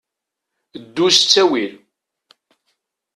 Ddu s ttawil.